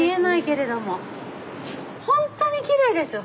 本当にきれいですよ。